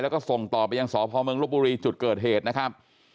แล้วก็ส่งต่อไปยังสพเมืองลบบุรีจุดเกิดเหตุนะครับ